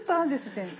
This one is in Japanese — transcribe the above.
先生。